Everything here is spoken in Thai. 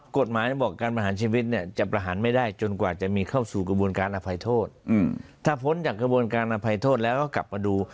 กฎหมายบอกการประหารชีวิตเนี่ยจะประหารไม่ได้จนกว่าจะมีเข้าสู่กระบวนการอภัยโทษถ้าพ้นจากกระบวนการอภัยโทษแล้วก็กลับมาดู